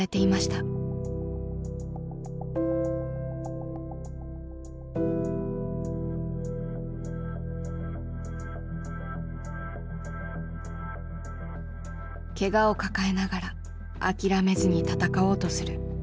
ケガを抱えながら諦めずに戦おうとする寺本の姿。